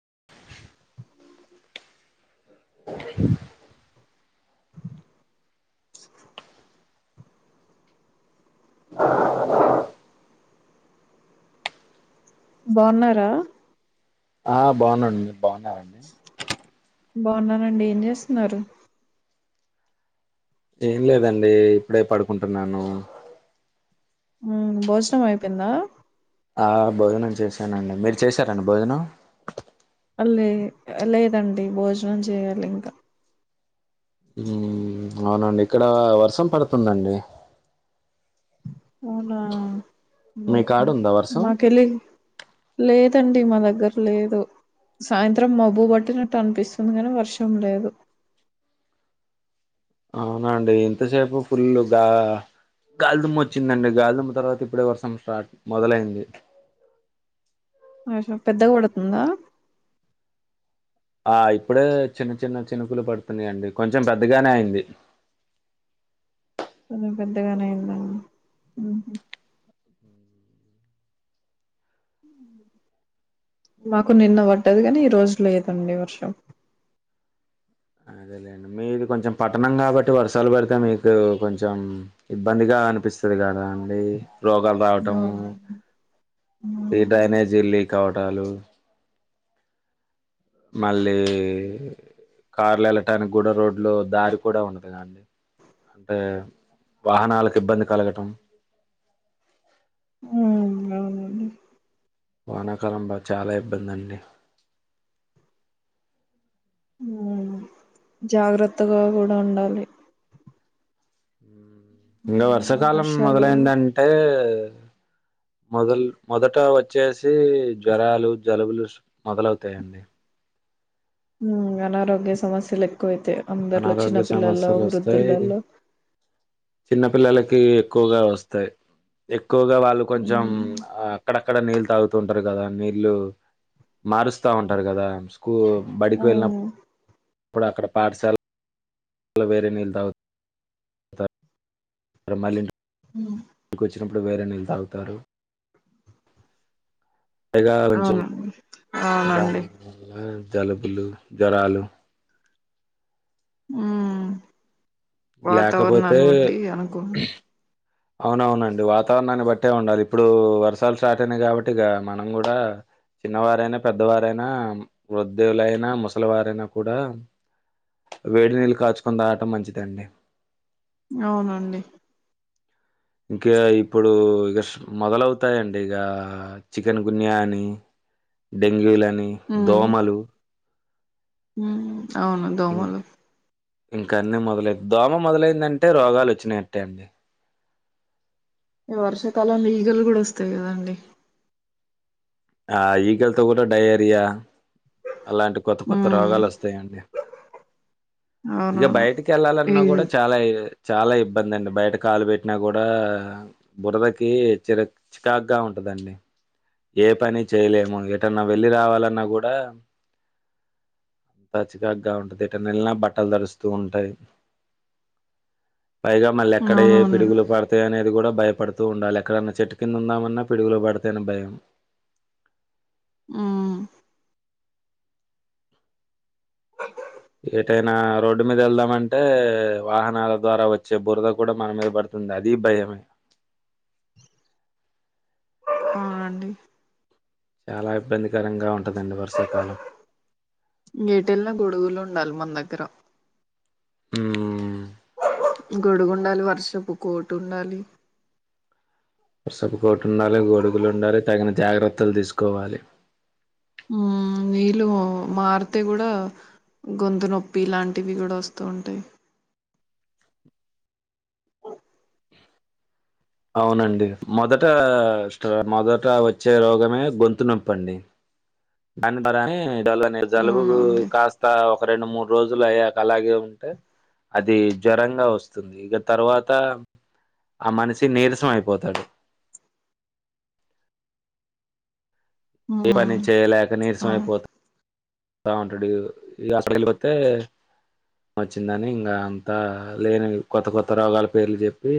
ఉ హు ఉ హు బాగున్నారా ఆ బాగున్నానండి మీరు బాగున్నారా బాగున్నానండి ఏం చేస్తున్నారు ఏం లేదండి ఇప్పుడే పడుకుంటున్నాను ఉ భోజనం అయిపోయిందా ఆ భోజనం చేశానండి మీరు చేశారండి భోజనం లే లేదండి భోజనం చేయాలే ఇంకా అవునండి ఇక్కడ వర్షం పడుతుందండి అవునా మీ కాడ ఉందా వర్షం మా కెల్లి లేదు మా దగ్గర లేదు సాయంత్రం మబ్బు పట్టినట్టు అనిపిస్తుంది కానీ వర్షం లేదు ఉ అవునండి ఇంతసేపు ఫుల్ గా గాలిదుమ్మ వచ్చిందండి గాలిదుమ్మ తర్వాత ఇప్పుడే వర్షం స్టార్ట్ మొదలైంది వర్షం పెద్ద గా కొడుతుందా ఆ ఇప్పుడే చిన్న చిన్న చినుకులు పడుతున్నాయండి కొంచెం పెద్దగానే అయింది చినుకులు పెద్దగానే అయింది అండి ఉ మాకు నిన్న పడ్డదీ కానీ ఈ రోజు లేదండి వర్షం ఊ అదేలేండి మీది కొంచెం పట్టణం కాబట్టి వర్షాలు పడితే మీకు కొంచెం ఇబ్బందిగా అనిపిస్తుంది కదా అండి రోగాలు రావటము ఉమ్, ఈ డ్రైనేజీ లీక్ అవటాలు మళ్ళీ కార్లు వెళ్ళటానికి కూడా రోడ్లు దారి కూడా ఉండది అండి అంటే వాహనాలకు ఇబ్బంది కలగటం హు అవునండి వానాకాలం బా చాలా ఇబ్బంది అండి జాగ్రత్తగా కూడా ఉండాలి ఇంకా వర్షాకాలం వర్షాలు మొదలైందంటే మొదలు మొదట వచ్చేసి జ్వరాలు జలుబులు మొదలవుతాయండి హ అనారోగ్య సమస్యలు ఎక్కువైతే అందరిలో అనారోగ్య చిన్నపిల్లల్లో సమస్యలు వృద్ధులలో చిన్న పిల్లలకి ఎక్కువగా వస్తాయి ఎక్కువగా వాళ్ళు కొంచెం అక్కడ అక్కడ నీళ్లు తాగుతూంటారు కదా నీళ్ళు మారుస్త ఉంటారు కదా స్కూ బడికి వెళ్ళినప్పుడు అప్పుడు అక్కడ పాఠశాల వేరే నీళ్ళు తాగుతారు మరి ఇంటికి హ ప్పుడు వేరే నీళ్ళు తాగుతారు పైగా కొంచెం అవునండి దా అవునండి జలుబులు జ్వరాలు ఉ లేకపోతే వాతావరణాన్ని బట్టి అనుకు అవునవునండి వాతావరణాన్ని బట్టే ఉండాలి ఇప్పుడు వర్షాలు స్టార్ట్ అయినయి కాబట్టి ఇక మనం కూడ చిన్నవారైనా పెద్దవారైనా వృద్ధులైనా ముసలివారైనా కూడా వేడి నీళ్లు కాచుకుని తాగటం మంచిదండి అవునండి ఇంకా ఇప్పుడు ఇక మొదలవుతాయండి ఇక చికెన్ గున్యా అని డెంగ్యూలని దోమలు ఉ అవును దోమలు ఇంకన్నీ మొదలై దోమ మొదలైందంటే రోగాలు వచ్చినట్టే అండి ఈ వర్షాకాలం ఈగలు కూడ వస్తాయి కదండి ఆ ఈగల్తో గూడ డయేరియా అలాంటి కొత్త కొత్త ఉమ్ రోగాలు వస్తాయండి ఇక అవునవును బయటికి ఈ వెళ్ళాలన్నా కూడా చాలా చాలా ఇబ్బంది అండి బయట కాలు పెట్టినా కూడా బురదకి చిర చికాక్ గా ఉంటది టండి ఏ పని చేయలేము ఎటన్నా వెళ్ళి రావాలన్నా కూడా అంత చిరాగ్గా ఉంటది ఎటన్నా ఎల్లినా బట్టలు తడుస్తు ఉంటాయి పైగా మళ్ళీ ఎక్కడ ఏ అవునవును పిడుగులు పడతయి అనేది కూడా భయపడుతూ ఉండాలి ఎక్కడన్నా చెట్టు కింద ఉందామన్నా పిడుగులు పడతాయని భయం ఉ ఏటైనా రోడ్డు మీద వెళ్దామంటే వాహనాల ద్వారా వచ్చే బురద కూడా మన మీద పడుత ది అది భయమే ఆ అండి చాలా ఇబ్బందికరంగా ఉంట్ ఎటెలిన గొడుగులు ఉండాలి మన దగ్గర ఉ గొడుగు ఉండాలి వర్షపు కోటు ఉండాలి వర్షపు కోటు ఉండాలి గొడుగులు ఉండాలి తగిన జాగ్రత్తలు తీసుకోవాలి ఉ నీళ్ళు మారితే కూడా గొంతు నొప్పి ఇలాంటివి కూడా వస్తు ఉంటాయి అవునండి మొదట మొదట వచ్చే రోగమే గొంతు నొప్పండి అని మ డల్లానే అనే జలుబు అవునండి కాస్త రెండు మూడు రోజులు అయ్యాక అలాగే ఉంటే అది జ్వరంగా వస్తుంది ఇగ తర్వాత ఆ మనిషి నీరసం అయిపోతాడు ఏ పని మ్మ్ చేయలేక నీరసం అవును అయిపోత బగువుంటడు ఇగ ఈ హాస్పిటల్కి వత్తే వచ్చిందని ఇంకా అంతా లేని కొత్త కొత్త రోగాల పేర్లు చెప్పి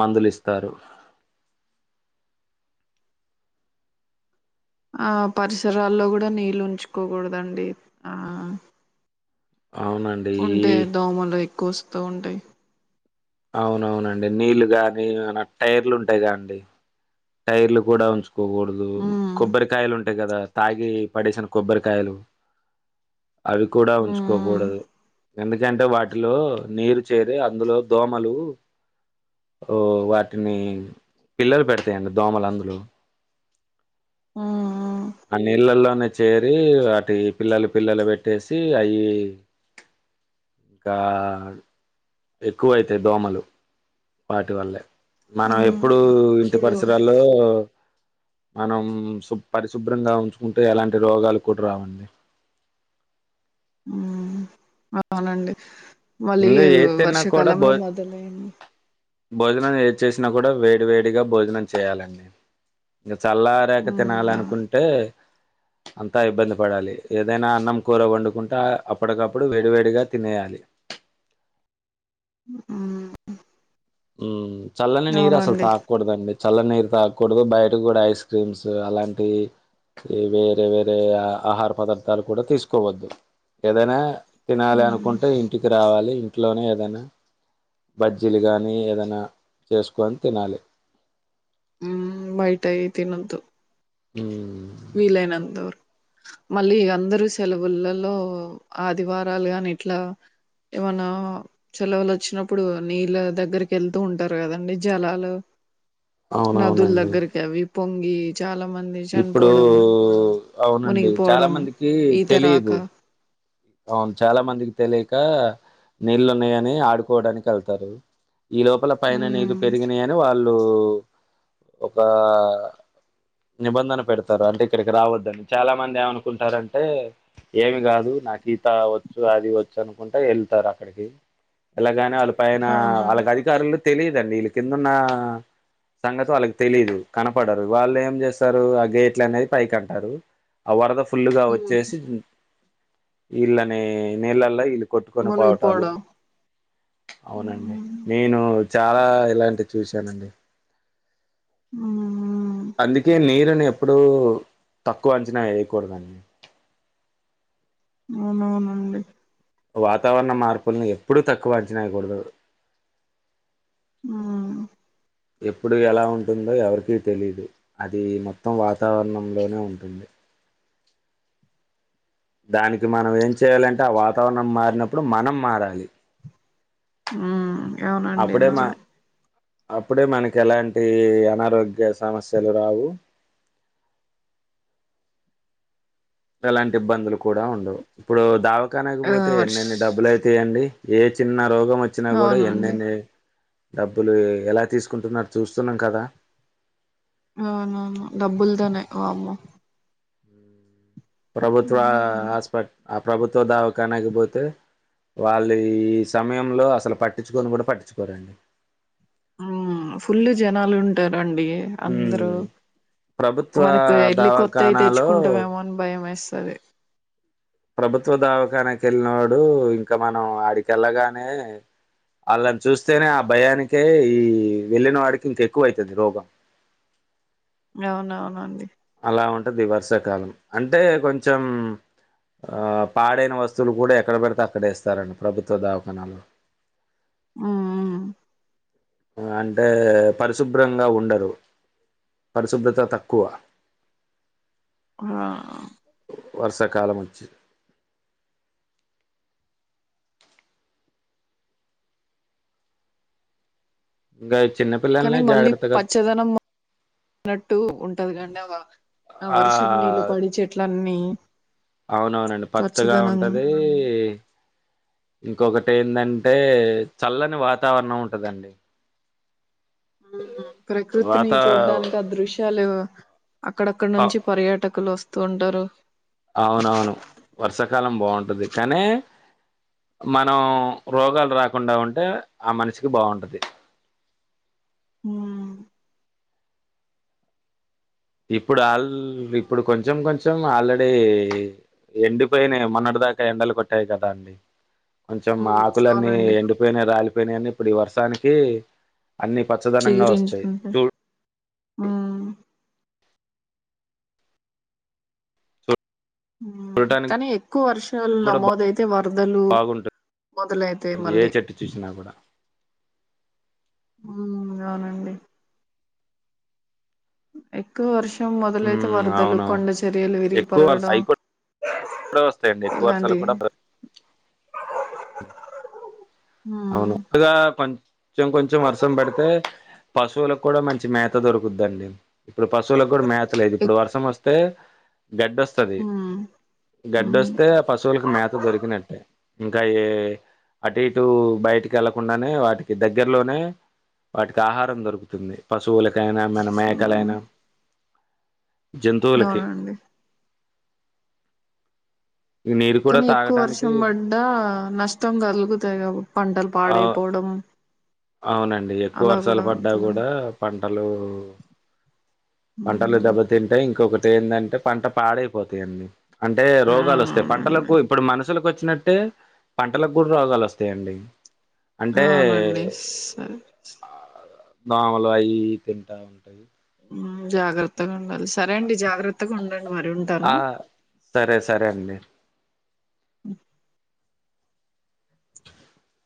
మందులిస్తారు ఆ పరిసరాల్లో కూడా నీళ్ళు ఉంచుకోకుడదండి ఆ అవునండి ఉంటే ఈ దోమలు ఎక్కువ వస్తు ఉంటాయి అవునవునండి నీళ్లు కగానీ టైర్లు ఉంటాయిగాండి టైర్లు కూడా ఉంచుకోకూడదు మ్మ్ కొబ్బరికాయలు ఉంటాయి కదా తాగి పడేసిన కొబ్బరికాయలు అవి కూడ మ్మ్ ఉంచుకోకుడదు ఎందుకంటే వాటిలో నీరు చేరి అందులో దోమలు ఓ వాటిని పిల్లలు పెడతయండి దోమలు అందులో ఉ ఆ నీళ్లల్లో చేరి వాటి పిల్లలు పిల్లలు పెట్టేసి అయి ఇంకా ఎక్కువైతే దోమలు వాటి వల్లే మనం మ్మ్ ఎప్పుడుూ ఇంటి ఇప్పుడు పరిసరాల్లో మనం శు పరిశుభ్రంగా ఉంచుకుంటే ఎలాంటి రోగాలు కూడా రావండి అవునండి మళ్ళీ ఇంగా ఏది తిన్నా కూడా భో వర్షాకాలంలో మొదలయ్యంది భోజనం ఏది చేసినా కూడా వేడి వేడిగా భోజనం చేయాలండి చల్లారేఖ మ్మ్ తినాలి ఆ అనుకుంటే అంతా ఇబ్బంది పడాలి ఏదైనా అన్నం కూర వండుకుంటా అప్పటికప్పుడు వేడివేడిగా తినేయాలి ఆ ఉ చల్లనే నరు అసలు అవునండి తాకకూడద అండి చల్ల నీరు తాగకూడదు బయటకు కూడా ఐస్ క్రీమ్స్ అలాంటివి ఈ వేరే వేరే ఆహార పదార్థాలు కూడా తీసుకోవద్దు ఏదైనా తినాలి మ్మ్ అనుకుంటే ఇంటికి రావాలి ఇంట్లోనే ఏదైనా బజ్జీలు గాని మి రు ఏదైనా చేసుకోని తినాలి మ్మ్ బయటయి తినవదు హ విీలేనంత వరకు మళ్ళీ అందరుూ సెలవులలో ఆదివారాలు గాని ఇట్లా ఏమన్నా సెలవులు వచ్చినప్పుడు నీళ్ళ దగ్గరికి వెళ్తూ ఉంటారు కదండి జలాలు నదుల అవునవునండి దగ్గరకి అవి పొంగి చాలా మంది చనిపో ఇప్పుడు పోవడం అవునండి చాలా మునిగిపోవడం మందికి ఈ తరాక తెలీదు అవును చాలా మందికి తెలియక నీళ్ళున్నాయని ఆడుకోవడానికి వెళ్తారు ఈ లోపల పైన నీరు మ్మ్ పెరిగినాయని వాళ్ళు ఒక నిబంధన పెడతారు అంటే ఇక్కడికి రావద్దని చాలా మంది ఏమనుకుంటారంటే ఏమి కాదు నాకు సీత వచ్చు అది వచ్చు అనుకుంట వెళ్తారు అక్కడికి ఎలాగానే వాళ్ళు పైన అవునండి వాళ్ళకి అధికారులు తెలీదండి వీళ్ళ కిందున్న సంగతి వాళ్ళకి తెలీదు కనపడరు వాళ్ళు ఏం చేస్తారు ఆ గేట్లు అనేది పైకి అంటారు ఆ వరద ఫుల్లుగా మ్మ్ వచ్చేసి ఈల్లనె నీల్లల్లో ఇల్ కొట్టుకుని పోవటాలు మునిగిపోవడం అవునండి మ్మ్ నేను చాలా ఇలాంటివి చూశానండి అ అందుకే నీర్ గాని ఎప్పుడుూ తక్కువ అంచనా వేయకూడదండి అవునవునండి వాతావరణ మార్పుల్ని ఎప్పుడుూ తక్కువ అంచనా వేయకూడదండి ఆ ఎప్పుడు ఎలా ఉంటుందో ఎవరికీ తెలీదు అది మొత్తం వాతావరణంలోనే ఉంటుంది దానికి మనం ఏం చేయలేక ఆ వాతావరణం మారినప్పుడు మనం మారాలి ఉమ్ అవునండి అప్పుడే మా నిజమే అప్పుడే మనకి ఎలాంటి అనారోగ్య సమస్యలు రావు ఇలాంటి ఇబ్బందులు కూడ ఉండవు ఇప్పుడు ఆ దావత్కానకపోతే వర్ష్ ఎన్నెన్ని డబ్బులు అయితా అండి ఏ చిన్న రోగం వచ్చినా కూడ అవునండి ఎన్నెన్ని డబ్బులు ఎలా తీసుకుంటున్నారు చూస్తున్నాం కదా అవునవును డబ్బుల్ తనేమ్మ ప్రభుత్వ హ్మ్ హాస్పిట ఆ ప్రభుత్వ దావ కానకపోతే వాళ్ళు ఈ సమయంలో అసలు పట్టించుకొని కూడ పట్టించుకోరు ఫుల్లు జనాలు ఉంటారంండి అందరుూ ఉమ్ ప్రభుత్వ మనకు ఎళ్లి కొత్తయి దవాఖానాలో తెచ్చుకుంటామేమో అని భయం వేస్ తది ప్రభుత్వ దావకాన కెళ్ళిన వాడు ఇంకా మనం ఆడిక వెళ్లగానే వాళ్ళని చూస్తేనే ఆ భయానికే ఈ వెళ్ళిన వాడికి ఇంక ఎక్కువ అైతుంది రోగం అవునవు నండి అలా ఉంటది వర్షాకాలం అంటే కొంచం ఆ పాడైన వస్తువులు కూడ ఎక్కడ పెడితే అక్కడ వేస్తారండి ప్రభుత్వ దావాఖానాలో అ ఆ అంటే పరిశుభ్రంగ ఉండరు పరిశుభ్రత తక్కువ ఆ వర్షాకాలం వచ్చి గై కానీ మళ్ళీ పచ్చదనం ఉన్నట్టు ఉంటది కాడి ఆ వర్షపు నీళ్ళు పడి ఆ చెట్లన్నీ అవునవునండి పచ్చగా పచ్చదనం ఉంటదీ ఇంకొకటి ఏందంటే చల్లని వాతావరణం ఉంటదండి ఊహు ప్రకృతిని వాత చూడ్డాానికి ఆ దృశ్యాలేవ అక్కడక్కడ అ- నుంచి పర్యాటకులు వస్తూ ఉంటారు అవునవును వర్షాకాలం బాగుంటది కానీ. మనం రోగాలు రాకుండా ఉంటే ఆ మనిషికి బాగుంటది. ఉమ్మ్ ఇప్పుడు ఆల్ ఇప్పుడు కొంచెం కొంచెం ఆల్రెడీ. ఎండిపోయినా మొన్నటి దాకా ఎండలు కొట్టాయి కదా అండి. కొంచెం హ్మ్ ఆకులన్నీ అవునండి ఎండిపోయినాయి రాలిపోయినాన్ని ఇప్పుడు ఈ వర్షానికి. అన్ని పచ్చదనంగా వస్తాయి చూ. హ్మ్మ్ హ్మ్మ్ చూడటానికి కానీ ఎక్కువ వర్షాలు కూడా నమోదయితే వరదలు. బాగుంటుంది మొదలైతే ఏ మళ్ళీ. చెట్టు చూసినా కూడా ఉమ్మ్ అవునండి. ఎక్కువ వర్షం మొదలైతే ఉమ్, వరదలు కొండ అవునవును చర్యలు విరిగిపరగడం. ఇప్పుడ వస్తాయండి ఎక్కువ వర్షాలు కూడా. హ్మ్ అవును ఒగా పం. కొంచెం కొంచెం వర్షం పడితే పశువులకు కూడా మంచి మేత దొరుకుదండి ఇప్పుడు పశువులకు కూడా మేత. ఇత్తా లేదు ఇప్పుడు ఎక్ వర్షం వస్తే. గడ్డొస్తుంది హ్మ్ హ్మ్ గడ్డొస్తే ఆ పశువులకు మేత దొరికినట్టే. ఇంకా ఏం అటీటు. బయటికి వెళ్ళలకుండానే వాటికి దగ్గరలోనే వాటికి ఆహారం దొరుకుతుంది పశువుల. దానేం మేళా హ్మ్ మేకలైనా. జంతువులకి. అవునండి నీరు కూడా కానీ ఎక్కువ తాగటానికి వర్షం పడ్డా నష్టం కలుగుతాయి కా. పంటలు ఆ పాడాయిపోడం. అవునండి ఎక్కువ వర్షాలు పడ్డా కూడా పంటలు. పంటలు హ్మ్ దెబ్బ తింటాయి ఇంకొకటి ఏంటంటే పంట పాడైపోతాయండి. అంటే రోగాలు వస్తాయి అవునవునండి పంటలకు ఇప్పుడు మనుషులకు వచ్చి. వచ్చినట్టే పంటలకు కూడా రోగాలు వస్తాయండి అంటే. స దోమలు అయి ఇయి తింటా ఉంటాయి. జాగ్రత్తగా ఉండాలి సరే అండి జాగ్రత్తగా ఉండండ్. ఆ సరే సరే అండి. అ